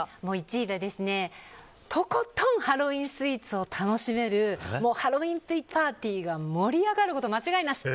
１位は、とことんハロウィーンスイーツを楽しめるハロウィーンパーティーが盛り上がること間違いなし。